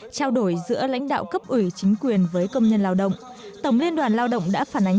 trao đổi giữa lãnh đạo cấp ủy chính quyền với công nhân lao động tổng liên đoàn lao động đã phản ánh